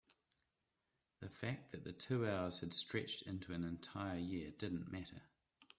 the fact that the two hours had stretched into an entire year didn't matter.